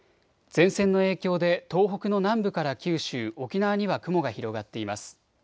前線の影響で東北の南部から九州、沖縄には雲が広がっています。